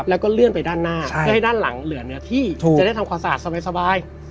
แล้วก็เลื่อนไปด้านหน้าเพื่อให้ด้านหลังเหลือเนื้อที่จะได้ทำความสะอาดสบาย